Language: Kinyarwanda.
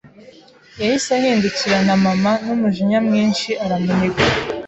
Yahise ahindukirana mama n’umujinya mwinshi aramuniga